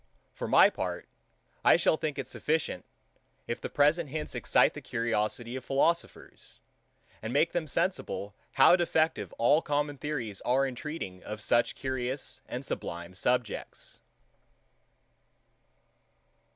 For my part, I shall think it sufficient, if the present hints excite the curiosity of philosophers, and make them sensible how defective all common theories are in treating of such curious and such sublime subjects.